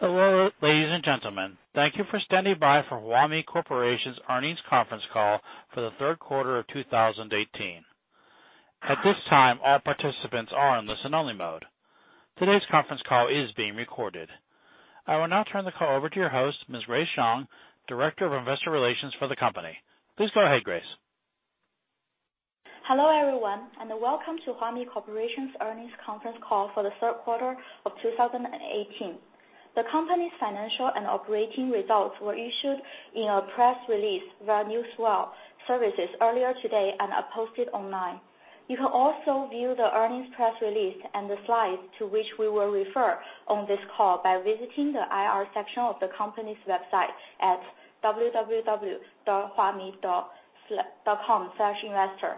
Hello, ladies and gentlemen. Thank you for standing by for Huami Corporation's earnings conference call for the third quarter of 2018. At this time, all participants are in listen only mode. Today's conference call is being recorded. I will now turn the call over to your host, Ms. Grace Zhang, Director of Investor Relations for the company. Please go ahead, Grace. Hello, everyone, welcome to Huami Corporation's earnings conference call for the third quarter of 2018. The company's financial and operating results were issued in a press release via newswire services earlier today and are posted online. You can also view the earnings press release and the slides to which we will refer on this call by visiting the IR section of the company's website at www.huami.com/investor.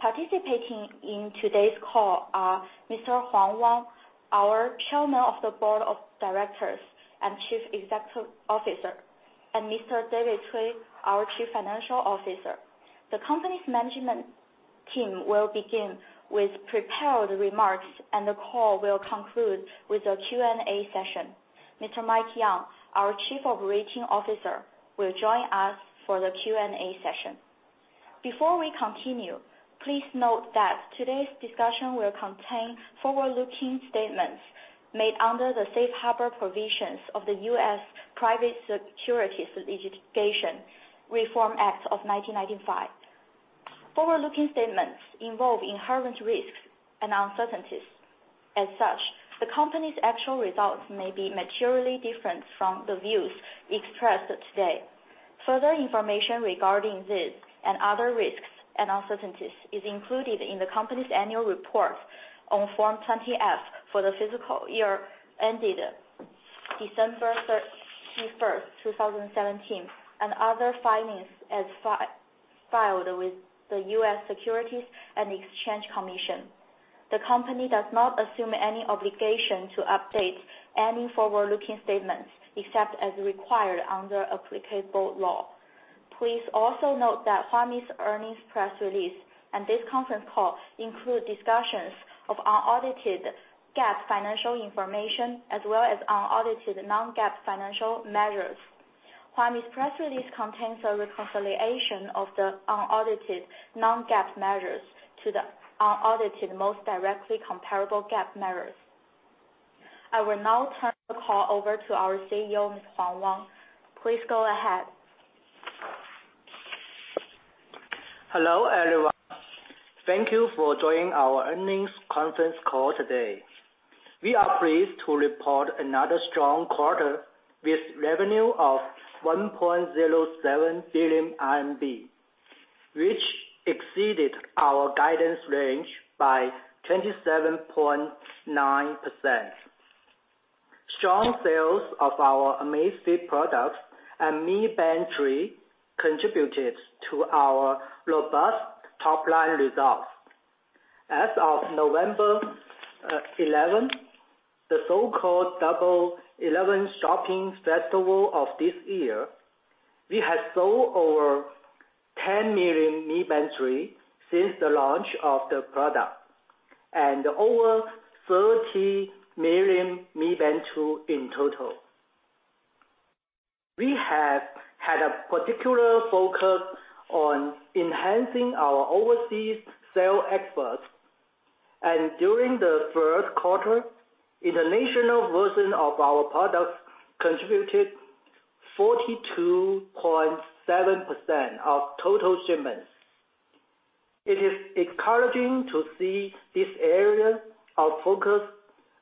Participating in today's call are Mr. Wang Huang, our Chairman of the Board of Directors and Chief Executive Officer, and Mr. David Cui, our Chief Financial Officer. The company's management team will begin with prepared remarks, and the call will conclude with a Q&A session. Mr. Mike Yeung, our Chief Operating Officer, will join us for the Q&A session. Before we continue, please note that today's discussion will contain forward-looking statements made under the Safe Harbor provisions of the U.S. Private Securities Litigation Reform Act of 1995. Forward-looking statements involve inherent risks and uncertainties. As such, the company's actual results may be materially different from the views expressed today. Further information regarding this and other risks and uncertainties is included in the company's annual report on Form 20-F for the fiscal year ended December 31st, 2017, and other filings as filed with the U.S. Securities and Exchange Commission. The company does not assume any obligation to update any forward-looking statements except as required under applicable law. Please also note that Huami's earnings press release and this conference call include discussions of unaudited GAAP financial information, as well as unaudited non-GAAP financial measures. Huami's press release contains a reconciliation of the unaudited non-GAAP measures to the unaudited most directly comparable GAAP measures. I will now turn the call over to our CEO, Mr. Wang Huang. Please go ahead. Hello, everyone. Thank you for joining our earnings conference call today. We are pleased to report another strong quarter with revenue of 1.07 billion RMB, which exceeded our guidance range by 27.9%. Strong sales of our Amazfit products and Mi Band 3 contributed to our robust top-line results. As of November 11, the so-called Double Eleven shopping festival of this year, we had sold over 10 million Mi Band 3 since the launch of the product, and over 30 million Mi Band 2 in total. We have had a particular focus on enhancing our overseas sales exports. During the third quarter, international version of our products contributed 42.7% of total shipments. It is encouraging to see this area of focus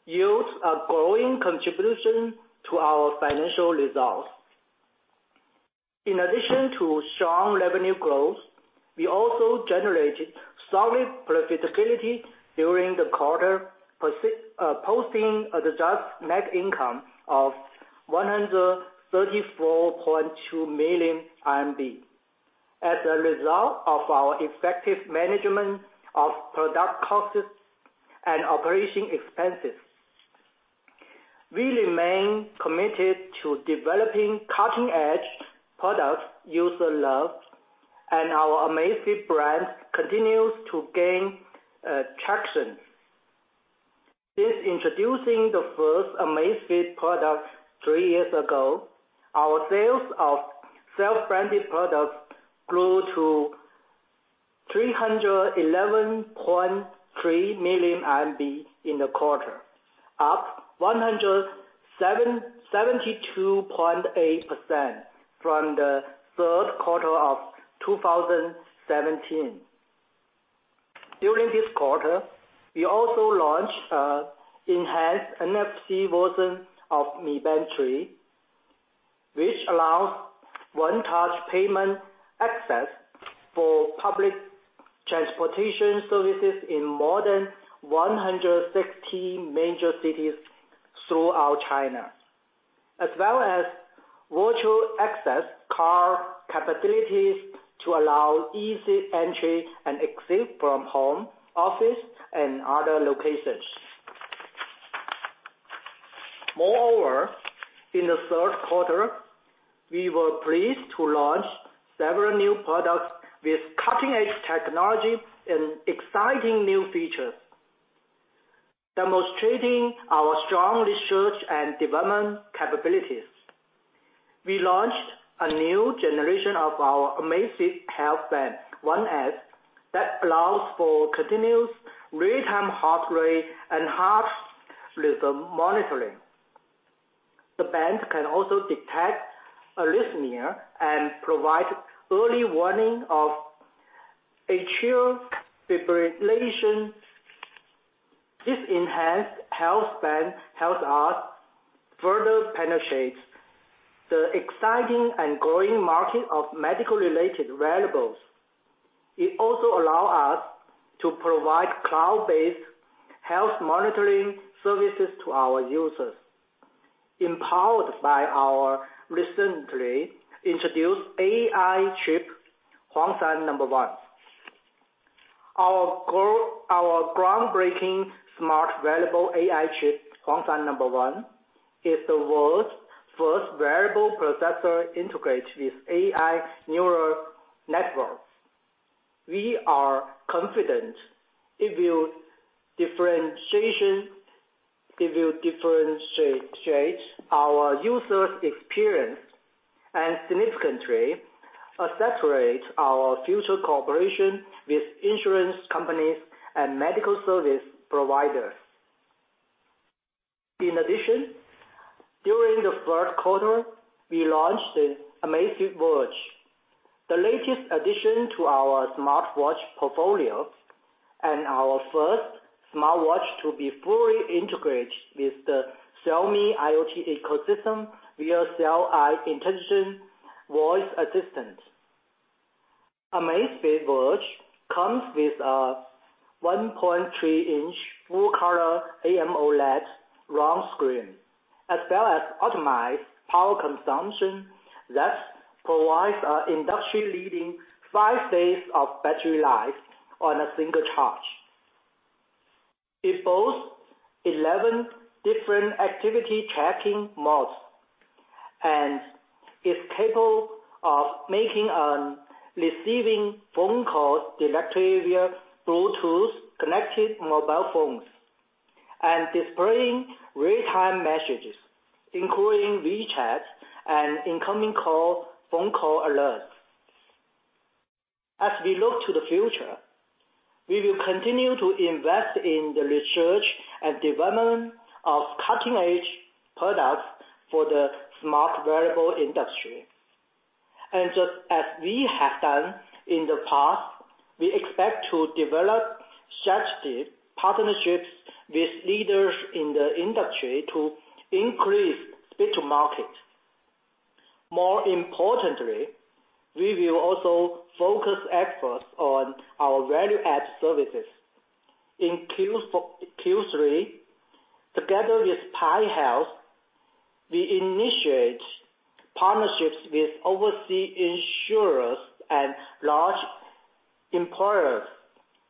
yields a growing contribution to our financial results. In addition to strong revenue growth, we also generated solid profitability during the quarter, posting an adjusted net income of 134.2 million RMB as a result of our effective management of product costs and operation expenses. We remain committed to developing cutting-edge products users love, and our Amazfit brand continues to gain traction. Since introducing the first Amazfit product three years ago, our sales of self-branded products grew to 311.3 million in the quarter, up 172.8% from the third quarter of 2017. During this quarter, we also launched an enhanced NFC version of Mi Band 3, which allows one-touch payment access for public transportation services in more than 116 major cities throughout China. As well as virtual access card capabilities to allow easy entry and exit from home, office, and other locations. Moreover, in the third quarter, we were pleased to launch several new products with cutting-edge technology and exciting new features, demonstrating our strong research and development capabilities. We launched a new generation of our Amazfit Health Band, 1S, that allows for continuous real-time heart rate and heart rhythm monitoring. The band can also detect arrhythmia and provide early warning of atrial fibrillation. This enhanced health band helps us further penetrate the exciting and growing market of medical-related wearables. It also allow us to provide cloud-based health monitoring services to our users, empowered by our recently introduced AI chip, Huangshan No.1. Our groundbreaking smart wearable AI chip, Huangshan No.1, is the world's first wearable processor integrated with AI neural networks. We are confident it will differentiate our user's experience, and significantly accelerate our future cooperation with insurance companies and medical service providers. In addition, during the third quarter, we launched the Amazfit Verge, the latest addition to our smartwatch portfolio, and our first smartwatch to be fully integrated with the Xiaomi IoT ecosystem via Xiao AI intelligent voice assistant. Amazfit Verge comes with a 1.3-inch full-color AMOLED round screen, as well as optimized power consumption that provides an industry-leading five days of battery life on a single charge. It boasts 11 different activity tracking modes, and is capable of making and receiving phone calls directly via Bluetooth-connected mobile phones, and displaying real-time messages, including WeChat and incoming call phone call alerts. As we look to the future, we will continue to invest in the research and development of cutting-edge products for the smart wearable industry. Just as we have done in the past, we expect to develop strategic partnerships with leaders in the industry to increase speed to market. More importantly, we will also focus efforts on our value-add services. In Q3, together with PAI Health, we initiate partnerships with overseas insurers and large employers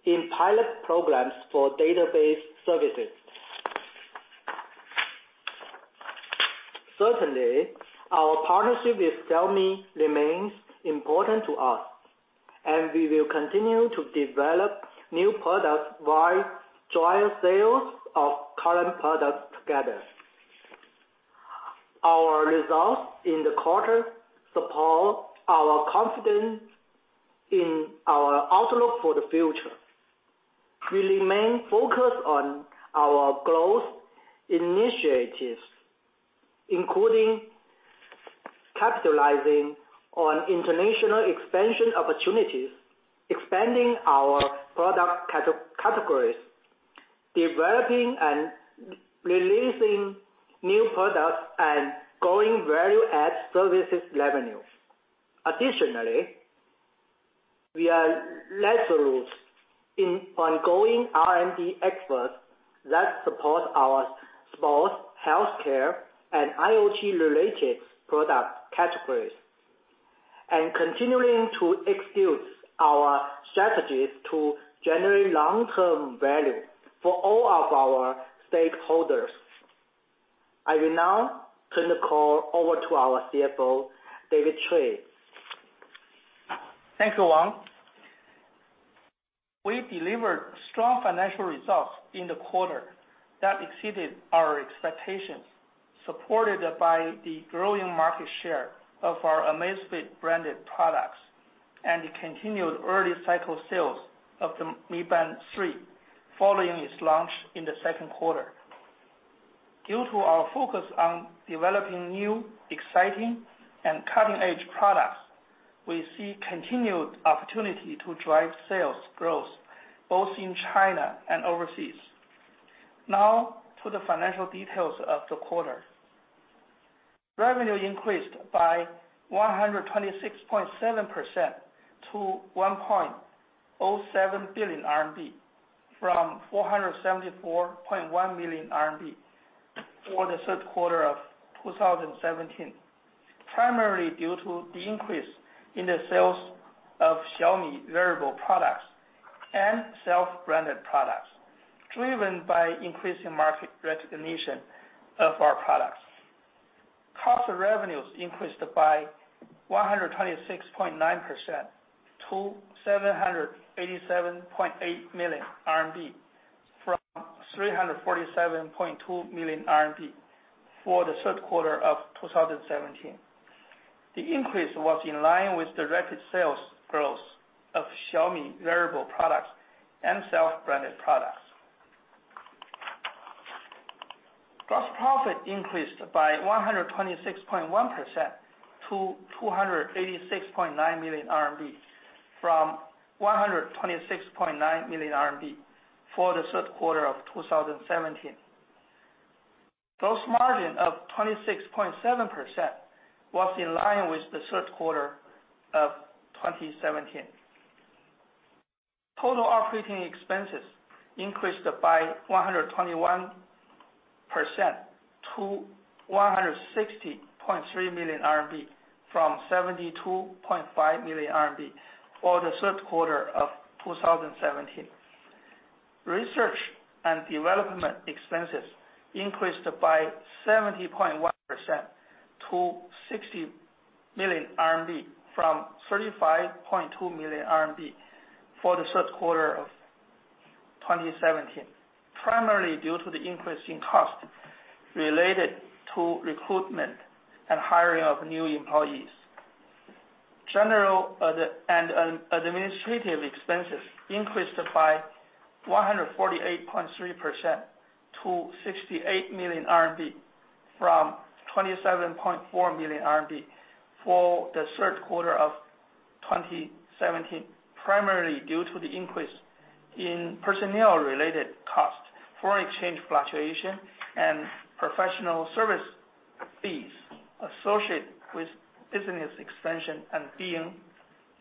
in pilot programs for database services. Certainly, our partnership with Xiaomi remains important to us, and we will continue to develop new products while drive sales of current products together. Our results in the quarter support our confidence in our outlook for the future. We remain focused on our growth initiatives, including capitalizing on international expansion opportunities, expanding our product categories, developing and releasing new products, and growing value-add services revenues. Additionally, we are resolute in ongoing R&D efforts that support our sports, healthcare, and IoT-related product categories, and continuing to execute our strategies to generate long-term value for all of our stakeholders. I will now turn the call over to our CFO, David Cui. Thank you, Wang. We delivered strong financial results in the quarter that exceeded our expectations, supported by the growing market share of our Amazfit-branded products, and the continued early-cycle sales of the Mi Band 3 following its launch in the second quarter. Due to our focus on developing new, exciting, and cutting-edge products, we see continued opportunity to drive sales growth both in China and overseas. Now to the financial details of the quarter. Revenue increased by 126.7% to 1.07 billion RMB, from 474.1 million RMB for the third quarter of 2017, primarily due to the increase in the sales of Xiaomi wearable products, and self-branded products, driven by increasing market recognition of our products. Cost of revenues increased by 126.9% to 787.8 million RMB from 347.2 million RMB for the third quarter of 2017. The increase was in line with the record sales growth of Xiaomi wearable products and self-branded products. Gross profit increased by 126.1% to 286.9 million RMB, from 126.9 million RMB for the third quarter of 2017. Gross margin of 26.7% was in line with the third quarter of 2017. Total operating expenses increased by 121% to 160.3 million RMB from 72.5 million RMB for the third quarter of 2017. Research and development expenses increased by 70.1% to 60 million RMB from 35.2 million RMB for the third quarter of 2017, primarily due to the increase in costs related to recruitment and hiring of new employees. General and administrative expenses increased by 148.3% to 68 million RMB from 27.4 million RMB for the third quarter of 2017, primarily due to the increase in personnel-related costs, foreign exchange fluctuation, and professional service fees associated with business expansion and being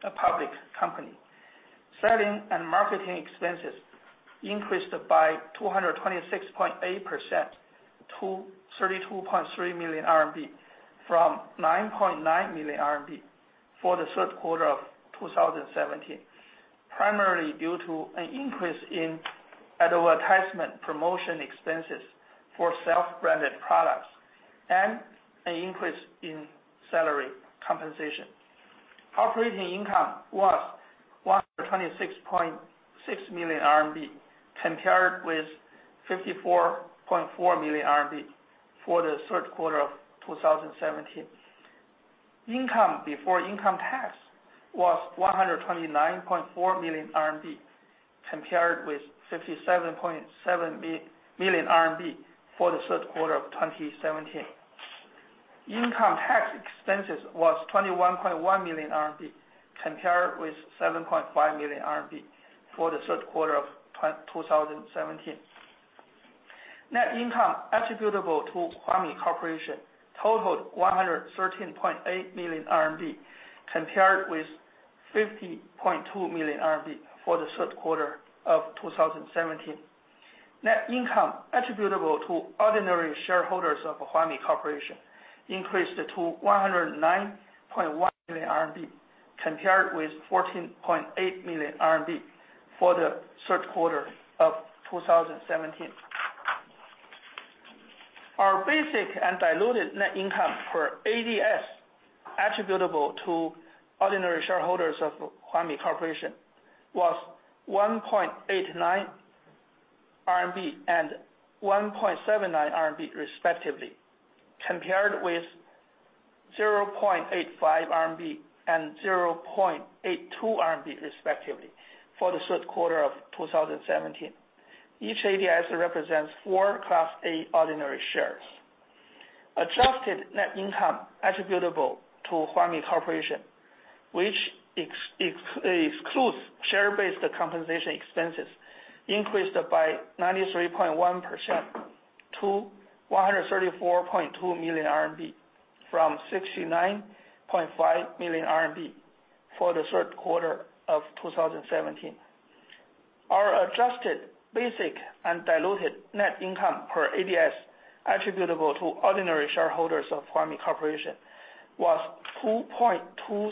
a public company. Selling and marketing expenses increased by 226.8% to 32.3 million RMB from 9.9 million RMB for the third quarter of 2017, primarily due to an increase in advertisement promotion expenses for self-branded products and an increase in salary compensation. Operating income was 126.6 million RMB, compared with 54.4 million RMB for the third quarter of 2017. Income before income tax was 129.4 million RMB, compared with 57.7 million RMB for the third quarter of 2017. Income tax expenses was 21.1 million RMB, compared with 7.5 million RMB for the third quarter of 2017. Net income attributable to Huami Corporation totaled 113.8 million RMB, compared with 50.2 million RMB for the third quarter of 2017. Net income attributable to ordinary shareholders of Huami Corporation increased to 109.1 million RMB, compared with 14.8 million RMB for the third quarter of 2017. Our basic and diluted net income per ADS attributable to ordinary shareholders of Huami Corporation was 1.89 RMB and 1.79 RMB respectively, compared with 0.85 RMB and 0.82 RMB respectively for the third quarter of 2017. Each ADS represents four Class A ordinary shares. Adjusted net income attributable to Huami Corporation, which excludes share-based compensation expenses, increased by 93.1% to 134.2 million RMB from 69.5 million RMB for the third quarter of 2017. Our adjusted basic and diluted net income per ADS attributable to ordinary shareholders of Huami Corporation was 2.23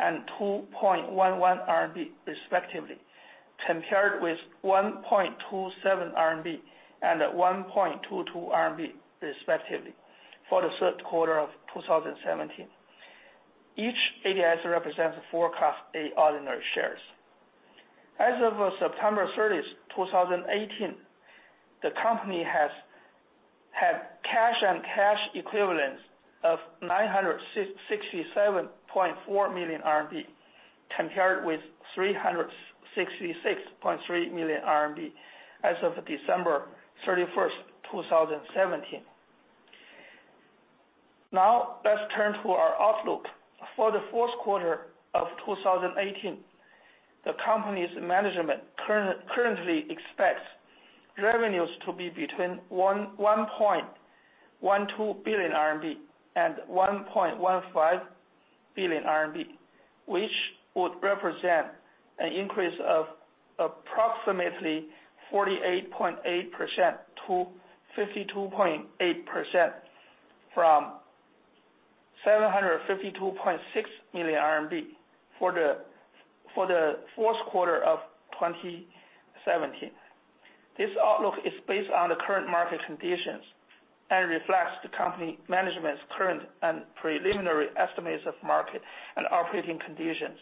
RMB and 2.11 RMB respectively, compared with 1.27 RMB and 1.22 RMB respectively for the third quarter of 2017. Each ADS represents four Class A ordinary shares. As of September 30th, 2018, the company had cash and cash equivalents of 967.4 million RMB, compared with 366.3 million RMB as of December 31st, 2017. Let's turn to our outlook. For the fourth quarter of 2018, the company's management currently expects revenues to be between 1.12 billion RMB and 1.15 billion RMB, which would represent an increase of approximately 48.8%-52.8% from 752.6 million RMB for the fourth quarter of 2017. This outlook is based on the current market conditions and reflects the company management's current and preliminary estimates of market and operating conditions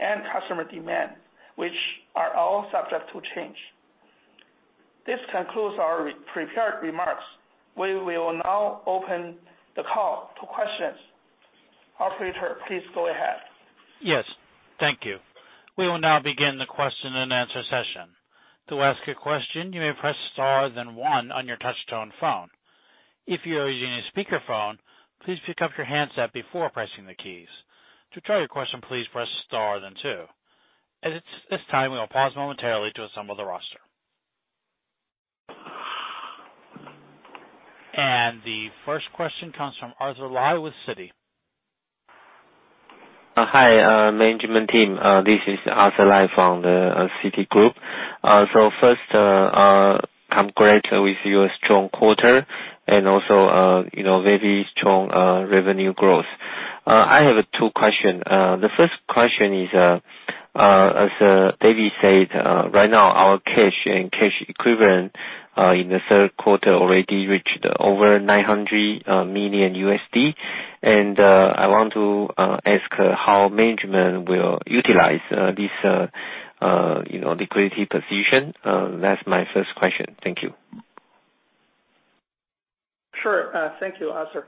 and customer demand, which are all subject to change. This concludes our prepared remarks. We will now open the call to questions. Operator, please go ahead. Thank you. We will now begin the question and answer session. To ask a question, you may press star then one on your touch-tone phone. If you are using a speakerphone, please pick up your handset before pressing the keys. To withdraw your question, please press star then two. At this time, we will pause momentarily to assemble the roster. The first question comes from Arthur Lai with Citi. Hi, management team. This is Arthur Lai from the Citigroup. First, congrats with your strong quarter and also very strong revenue growth. I have two question. The first question is, as David said, right now our cash and cash equivalent, in the third quarter, already reached over $900 million, I want to ask how management will utilize this liquidity position. That's my first question. Thank you. Sure. Thank you, Arthur.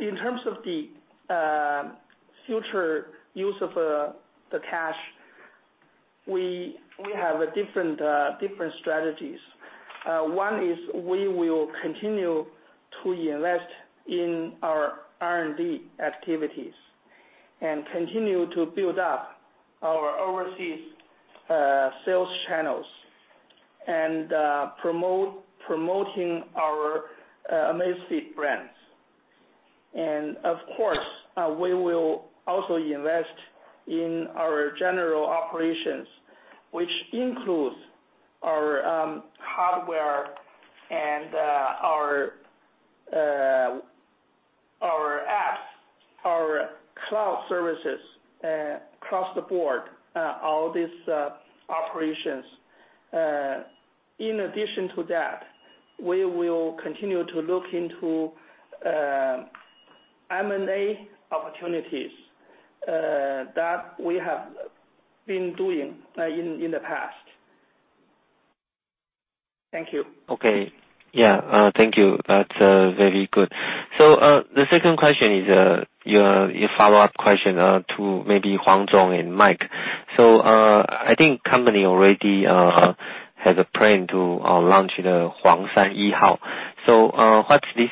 In terms of the future use of the cash, we have different strategies. One is we will continue to invest in our R&D activities and continue to build up our overseas sales channels and promoting our Amazfit brands. Of course, we will also invest in our general operations, which includes our hardware and our apps, our cloud services, across the board, all these operations. In addition to that, we will continue to look into M&A opportunities that we have been doing in the past. Thank you. Okay. Yeah. Thank you. That's very good. The second question is a follow-up question to maybe Wang Huang and Mike. I think company already has a plan to launch the Huangshan No. 1. What this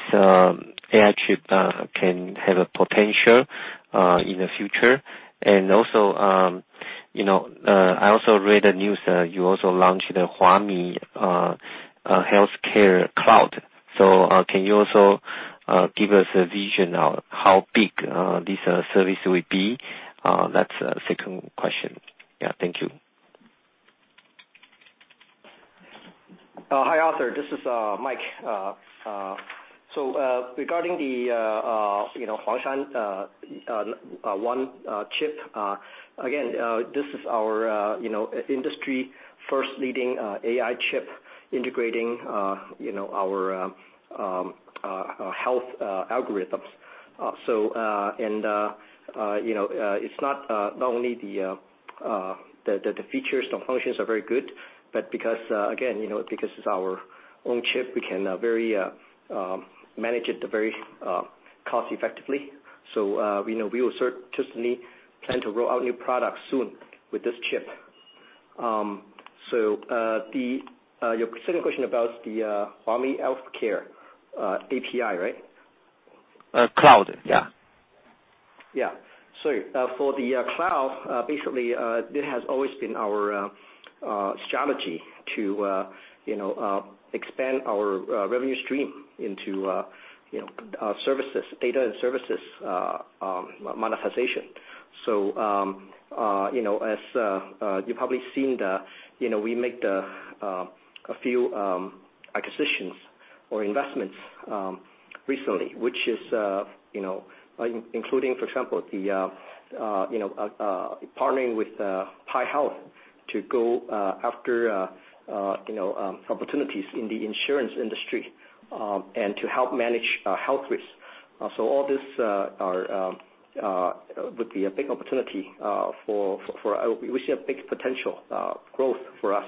AI chip can have a potential in the future? Also I also read the news you also launched the Huami Health Cloud. Can you also give us a vision of how big this service will be? That's the second question. Yeah, thank you. Hi, Arthur. This is Mike. Regarding the Huangshan 1 chip, again this is our industry first leading AI chip integrating our health algorithms. Not only the features, the functions are very good, but because, again, because it's our own chip, we can manage it very cost effectively. We will certainly plan to roll out new products soon with this chip. Your second question about the Huami Health Cloud, right? Cloud, yeah. Yeah. For the cloud, basically it has always been our strategy to expand our revenue stream into data and services monetization. As you probably seen, we make a few acquisitions or investments recently, which is including, for example, partnering with PAI Health to go after opportunities in the insurance industry, and to help manage health risk. All this would be a big opportunity for. We see a big potential growth for us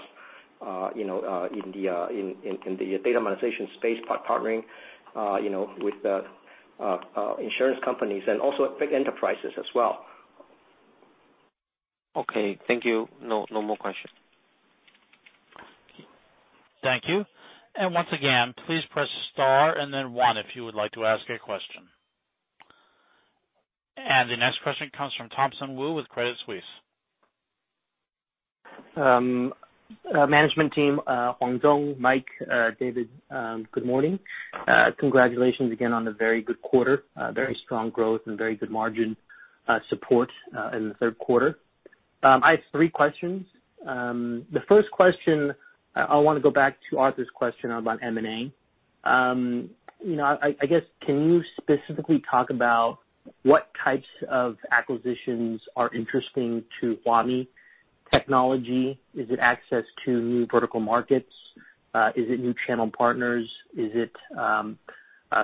in the data monetization space by partnering with insurance companies and also big enterprises as well. Okay. Thank you. No more questions. Thank you. Once again, please press star and then one if you would like to ask a question. The next question comes from Thompson Wu with Credit Suisse. Management team, Huang Zhong, Mike, David, good morning. Congratulations again on the very good quarter. Very strong growth and very good margin support in the third quarter. I have three questions. The first question, I want to go back to Arthur's question about M&A. I guess, can you specifically talk about what types of acquisitions are interesting to Huami? Technology? Is it access to new vertical markets? Is it new channel partners? Is it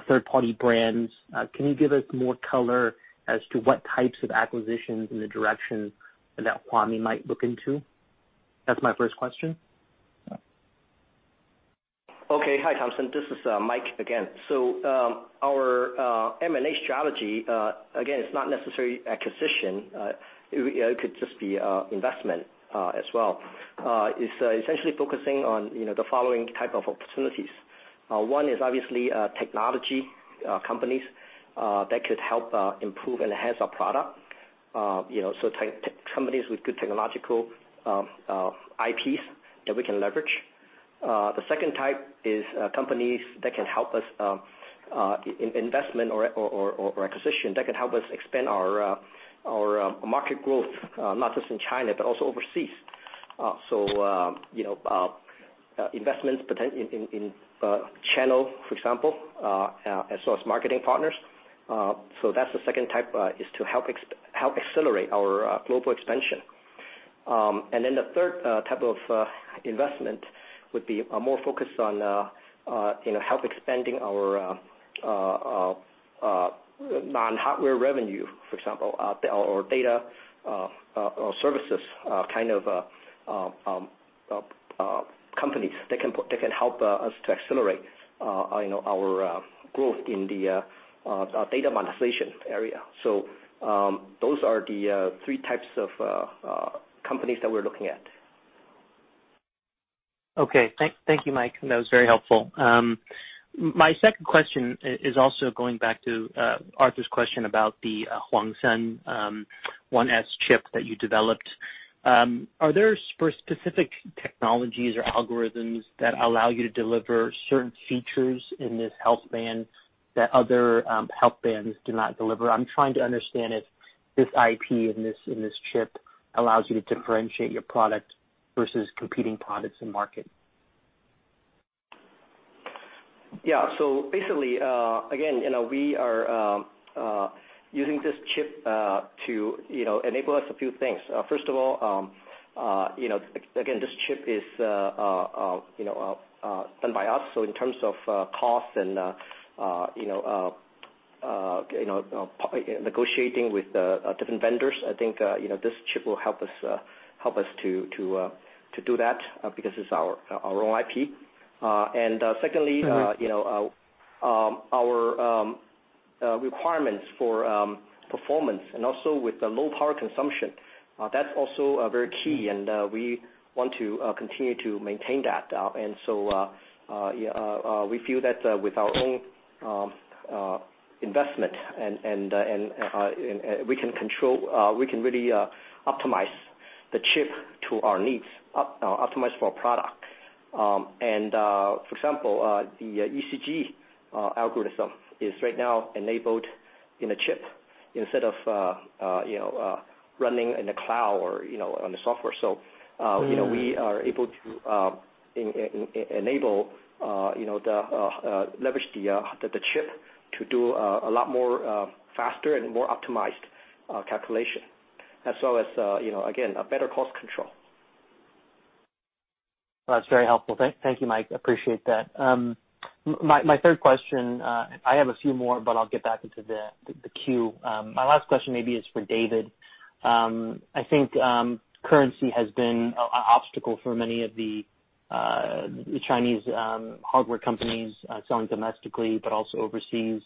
third-party brands? Can you give us more color as to what types of acquisitions and the direction that Huami might look into? That's my first question. Okay. Hi, Thompson. This is Mike again. Our M&A strategy, again, it's not necessarily acquisition. It could just be investment as well, is essentially focusing on the following type of opportunities. One is obviously technology companies that could help improve and enhance our product. Companies with good technological IPs that we can leverage. The second type is companies that can help us, investment or acquisition, that can help us expand our market growth, not just in China, but also overseas. Investments in channel, for example, as well as marketing partners. That's the second type, is to help accelerate our global expansion. The third type of investment would be more focused on help expanding our non-hardware revenue, for example, or data or services kind of companies that can help us to accelerate our growth in the data monetization area. Those are the three types of companies that we're looking at. Okay. Thank you, Mike. That was very helpful. My second question is also going back to Arthur's question about the Huangshan 1S chip that you developed. Are there specific technologies or algorithms that allow you to deliver certain features in this health band that other health bands do not deliver? I'm trying to understand if this IP in this chip allows you to differentiate your product versus competing products in market. Yeah. Basically, again, we are using this chip to enable us a few things. First of all, again, this chip is done by us. In terms of cost and negotiating with different vendors, I think this chip will help us to do that because it's our own IP. Secondly. Our requirements for performance and also with the low power consumption, that's also very key and we want to continue to maintain that. We feel that with our own investment, we can really optimize the chip to our needs, optimize for our product. For example, the ECG algorithm is right now enabled in a chip instead of running in the cloud or on the software. We are able to leverage the chip to do a lot more faster and more optimized calculation, as well as again, a better cost control. That's very helpful. Thank you, Mike. Appreciate that. My third question, I have a few more, but I'll get back into the queue. My last question maybe is for David. I think currency has been an obstacle for many of the Chinese hardware companies selling domestically, but also overseas.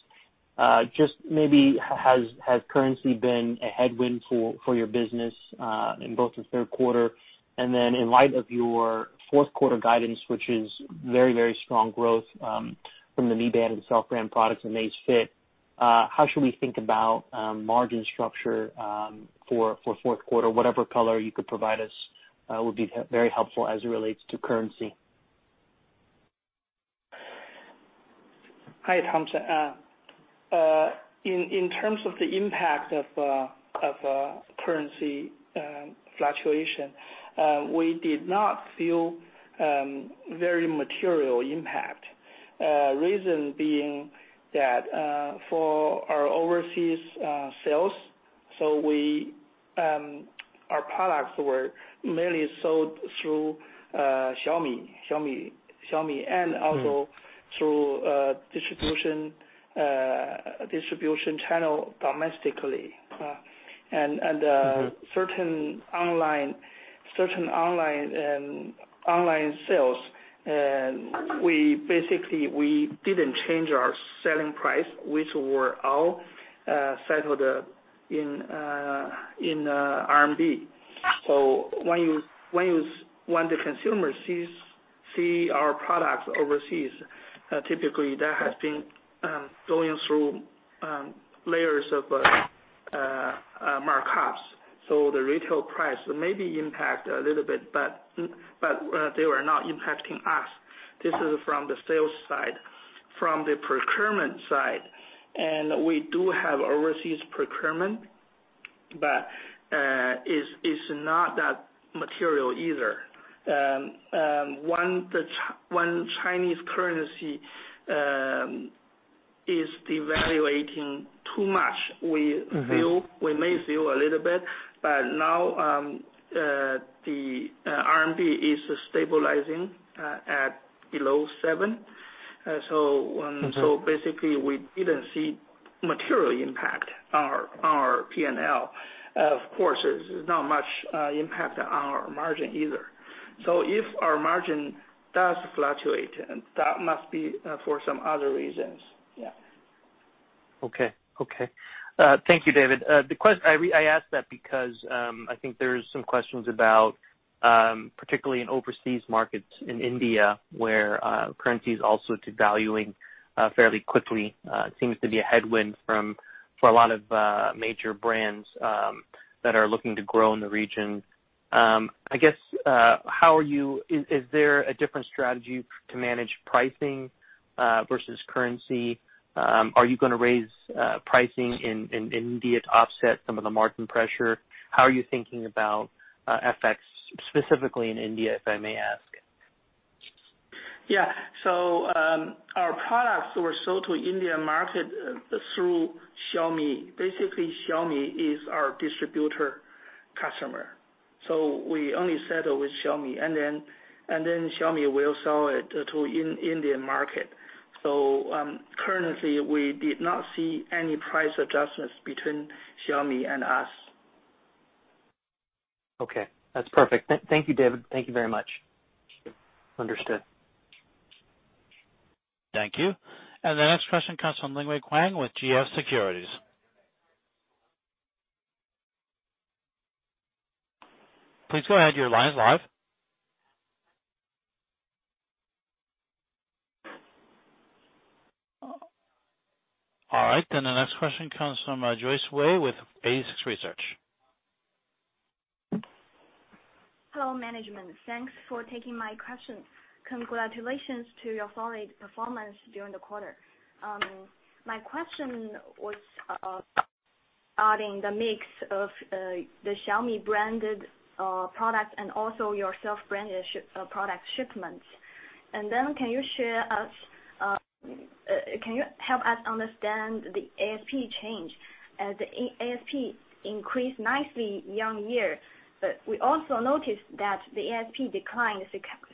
Just maybe has currency been a headwind for your business in both the third quarter, and then in light of your fourth quarter guidance, which is very strong growth from the Mi Band and self-brand products and Amazfit, how should we think about margin structure for fourth quarter? Whatever color you could provide us will be very helpful as it relates to currency. Hi, Thompson. In terms of the impact of currency fluctuation, we did not feel very material impact. Reason being that for our overseas sales, our products were mainly sold through Xiaomi, and also through distribution channel domestically. Certain online sales, basically we didn't change our selling price, which were all settled in RMB. When the consumer see our products overseas, typically that has been going through layers of markups. The retail price may be impact a little bit, but they were not impacting us. This is from the sales side. From the procurement side, we do have overseas procurement, but it's not that material either. When Chinese currency is devaluating too much, we may feel a little bit, but now the RMB is stabilizing at below seven. Basically, we didn't see material impact our P&L. Of course, there's not much impact on our margin either. If our margin does fluctuate, that must be for some other reasons. Yeah. Okay. Thank you, David. I asked that because I think there's some questions about, particularly in overseas markets in India, where currency is also devaluing fairly quickly. It seems to be a headwind for a lot of major brands that are looking to grow in the region. I guess, is there a different strategy to manage pricing versus currency? Are you going to raise pricing in India to offset some of the margin pressure? How are you thinking about effects specifically in India, if I may ask? Yeah. Our products were sold to India market through Xiaomi. Basically, Xiaomi is our distributor customer. We only settle with Xiaomi. Xiaomi will sell it to Indian market. Currently, we did not see any price adjustments between Xiaomi and us. Okay. That's perfect. Thank you, David. Thank you very much. Understood. Thank you. The next question comes from Lingui Huang with GS Securities. Please go ahead, your line's live. All right, the next question comes from Joy Wei with 86Research. Hello, management. Thanks for taking my questions. Congratulations to your solid performance during the quarter. My question was adding the mix of the Xiaomi-branded products and also your self-branded product shipments. Can you help us understand the ASP change? The ASP increased nicely year-on-year. We also noticed that the ASP declined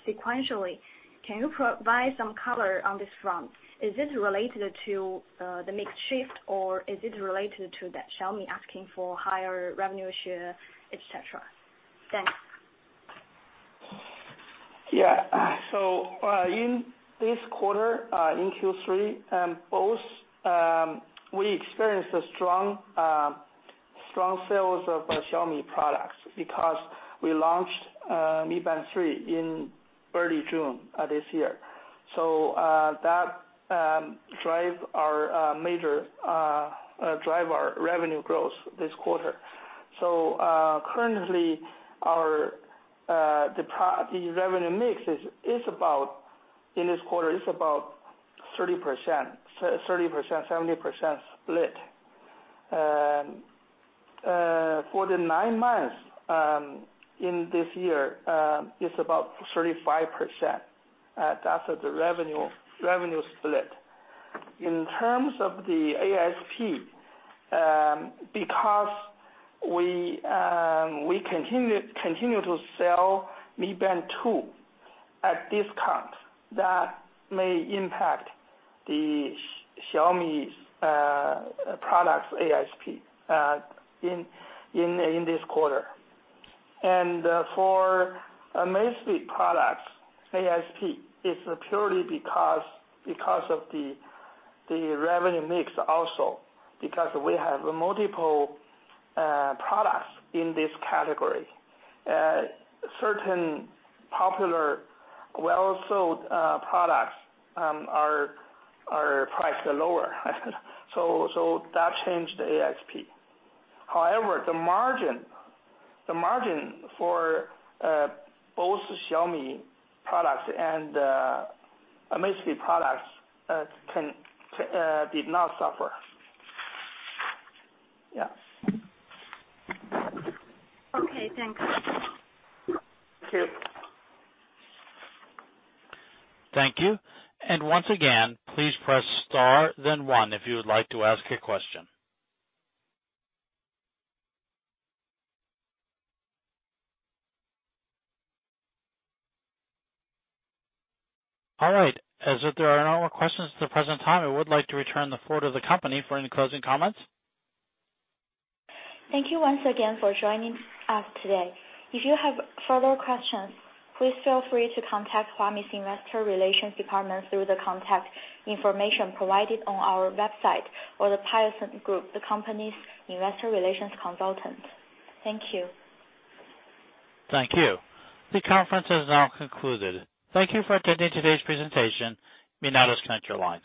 sequentially. Can you provide some color on this front? Is this related to the mix shift, or is it related to that Xiaomi asking for higher revenue share, et cetera? Thanks. In this quarter, in Q3, both we experienced a strong sales of our Xiaomi products because we launched Mi Band 3 in early June this year. That drive our revenue growth this quarter. Currently the revenue mix in this quarter is about 30%, 70% split. For the nine months in this year, it's about 35%. That's the revenue split. In terms of the ASP, because we continue to sell Mi Band 2 at discount, that may impact the Xiaomi's products ASP in this quarter. For Amazfit products ASP, it's purely because of the revenue mix also, because we have multiple products in this category. Certain popular well-sold products are priced lower. That changed the ASP. However, the margin for both Xiaomi products and Amazfit products did not suffer. Okay, thanks. Thank you. Thank you. Once again, please press star then one if you would like to ask a question. All right. As if there are no more questions at the present time, I would like to return the floor to the company for any closing comments. Thank you once again for joining us today. If you have further questions, please feel free to contact Huami's investor relations department through the contact information provided on our website or The Piacente Group, the company's investor relations consultant. Thank you. Thank you. The conference is now concluded. Thank you for attending today's presentation. You may now disconnect your line.